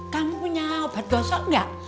kamu punya obat gosok nggak